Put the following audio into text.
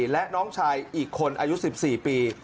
และน้องชายอีกคนอายุ๑๔ปี